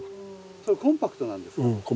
それコンパクトなんですか。